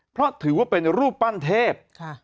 เพราะถือว่าเป็นรูปปั้นเทพ